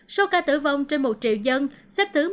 số ca tử vong trên một triệu dân xếp thứ một trăm linh